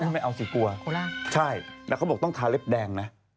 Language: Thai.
ไม่เอาสิกลัวใช่แล้วเขาบอกต้องทาเล็บแดงนะ